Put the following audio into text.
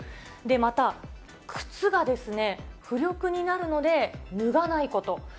また、靴が浮力になるので、脱がないこと。